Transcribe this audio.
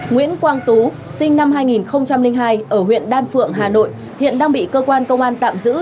nguyễn quang tú sinh năm hai nghìn hai ở huyện đan phượng hà nội hiện đang bị cơ quan công an tạm giữ